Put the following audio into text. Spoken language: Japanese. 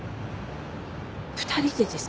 ２人でですか？